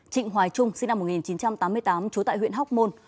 trịnh hoài trung sinh năm một nghìn chín trăm tám mươi tám trú tại huyện hóc môn